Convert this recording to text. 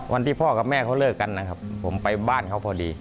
วันที่พ่อกับแม่เขาเลิกกันนะครับผมไปบ้านเขาพอดี